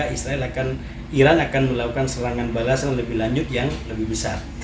iran akan melakukan serangan balasan lebih lanjut yang lebih besar